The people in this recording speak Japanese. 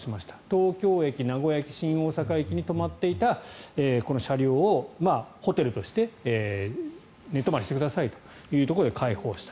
東京駅、名古屋駅新大阪駅に止まっていたこの車両をホテルとして寝泊まりしてくださいというところで開放した。